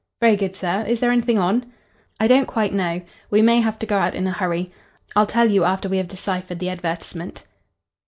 "Very good, sir. Is there anything on?" "I don't quite know. We may have to go out in a hurry. I'll tell you after we have deciphered the advertisement."